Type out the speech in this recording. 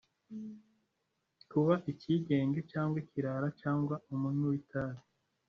kuba icyigenge cyangwa ikirara cyangwa umunywi witabi